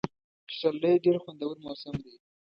پسرلی ډېر خوندور موسم دی.